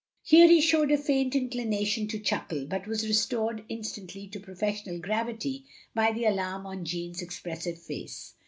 '* Here he showed a faint inclination to chuckle, but was restored instantly to professional gravity by the alarm on Jeanne's expressive face.